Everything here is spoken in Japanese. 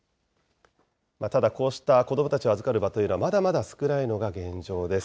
ただ、こうした子どもたちを預かる場というのは、まだまだ少ないのが現状です。